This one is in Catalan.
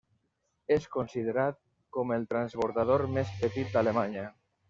És considerat com el transbordador més petit d'Alemanya.